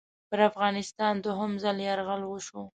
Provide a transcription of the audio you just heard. پر افغانستان دوهم ځل یرغل وشو.